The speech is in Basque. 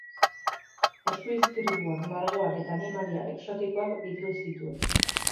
Eskuizkribuak, margoak eta animalia exotikoak bildu zituen.